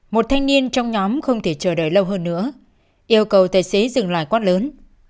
một thanh niên trong nhóm không thể chờ đợi lâu hơn nữa yêu cầu tài xế dừng lại quát lớn